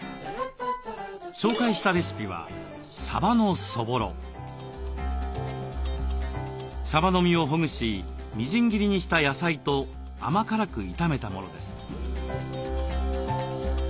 紹介したレシピはさばの身をほぐしみじん切りにした野菜と甘辛く炒めたものです。